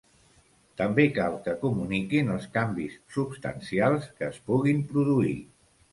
També cal que comuniquin els canvis substancials que es puguin produir.